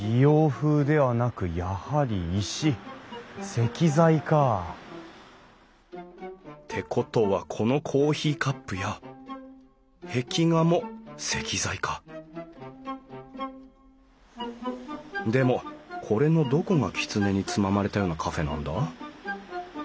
石材か。ってことはこのコーヒーカップや壁画も石材かでもこれのどこがきつねにつままれたようなカフェなんだ？